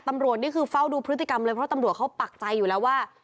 นี่คือเฝ้าดูพฤติกรรมเลยเพราะตำรวจเขาปักใจอยู่แล้วว่า